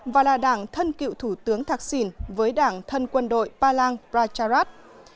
và là đảng thân cựu thủ tướng thạc sìn với đảng thân quân đội pha lang pracharat